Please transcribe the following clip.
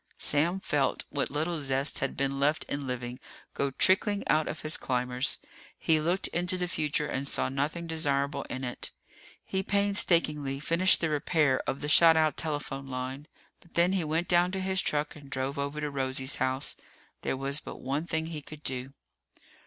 Sam felt what little zest had been left in living go trickling out of his climbers. He looked into the future and saw nothing desirable in it. He painstakingly finished the repair of the shot out telephone line, but then he went down to his truck and drove over to Rosie's house. There was but one thing he could do.